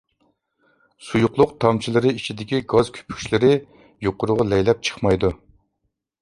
سۇيۇقلۇق تامچىلىرى ئىچىدىكى گاز كۆپۈكچىلىرى يۇقىرىغا لەيلەپ چىقمايدۇ.